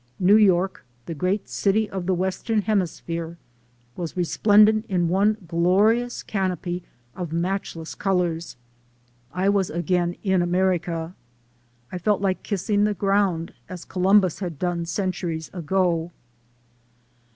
New York, the great city of the Western Hemi sphere, was resplendent in one glorious canopy of matchless colors. I was again in America. I felt like kissing the ground, as Columbus had done cen turies ago.